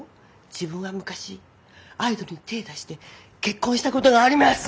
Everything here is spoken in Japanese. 「自分は昔アイドルに手ぇ出して結婚したことがあります！」